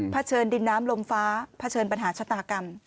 เฉินดินน้ำลมฟ้าเผชิญปัญหาชะตากรรม